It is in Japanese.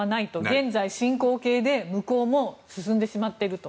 現在進行形で向こうも進んでしまっていると。